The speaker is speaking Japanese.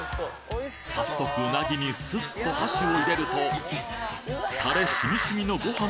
早速うなぎにスッと箸を入れるとタレしみしみのご飯